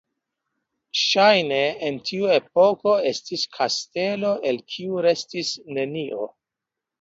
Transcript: Ŝajne en tiu epoko estis kastelo el kiu restis nenio.